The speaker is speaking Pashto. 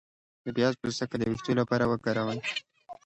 د پیاز پوستکی د ویښتو لپاره وکاروئ